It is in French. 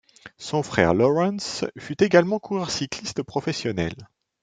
Son frère Lawrence fut également coureur cycliste professionnel.